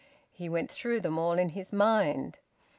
He went through them all in his mind.